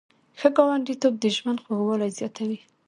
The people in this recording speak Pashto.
ښه ګاونډیتوب د ژوند خوږوالی زیاتوي.